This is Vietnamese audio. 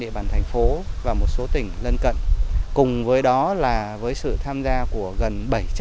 địa bàn thành phố và một số tỉnh gần gần cùng với đó là đều được tham gia gần bảy trăm linh